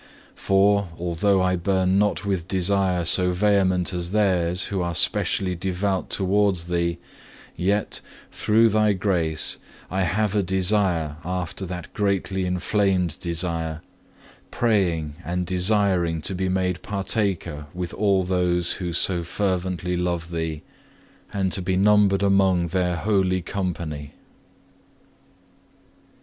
For, although I burn not with desire so vehement as theirs who are specially devout towards Thee, yet, through Thy grace, I have a desire after that greatly inflamed desire, praying and desiring to be made partaker with all those who so fervently love Thee, and to be numbered among their holy company.